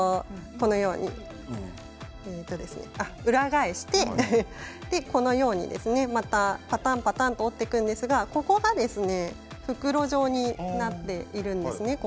裏返して、このようにまた、ぱたんぱたんと折っていくんですがここが袋状になっているんです。